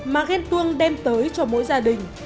mà ghen tuông đem tới cho mỗi gia đình